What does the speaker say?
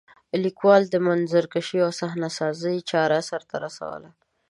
لیکوال د منظرکشۍ او صحنه سازۍ چاره سرته رسوي.